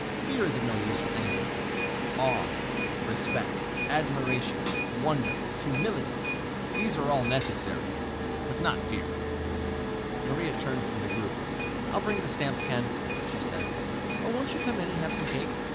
Fear is of no use to anyone. Awe, respect, admiration, wonder, humility these are all necessary. But not fear." Maria turned from the group. "I'll bring the stamps, Ken," she said. "Won't you come in and have some cake?"